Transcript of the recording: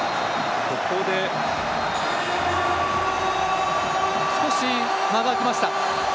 ここで少し間が空きました。